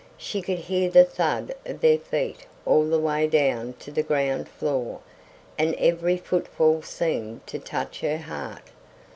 She could hear the thud of their feet all the way down to the ground floor; and every footfall seemed to touch her heart.